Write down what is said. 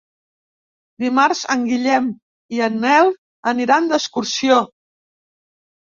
Dimarts en Guillem i en Nel aniran d'excursió.